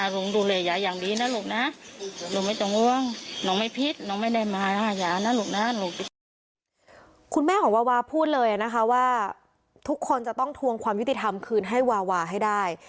คุณแม่ของวาวาพูดเลยนะคะว่าทุกคนจะต้องทวงความยุติธรรมคืนให้วาวาให้ได้